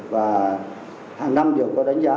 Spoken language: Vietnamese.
và hàng năm đều có đánh giá